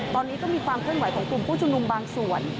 ตอนนี้ก็มีความเคลื่อนไหวของกลุ่มผู้ชุมนุมบางส่วน